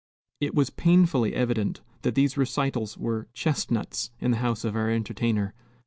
It was painfully evident that these recitals were "chestnuts" in the house of our entertainer.